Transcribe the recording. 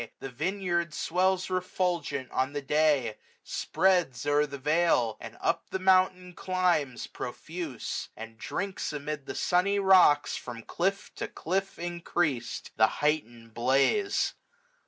The vineyard swells refulgent on the day j Spreads o'er the vale j or up the mountain climbs, 685 Profuse ; and drinks amid the sunny rocks. From cliff to cliff increas'd, the heightened blaze.